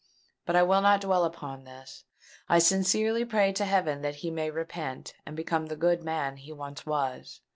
But I will not dwell upon this: I sincerely pray to heaven that he may repent, and become the good man he once was.